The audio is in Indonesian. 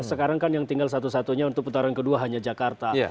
sekarang kan yang tinggal satu satunya untuk putaran kedua hanya jakarta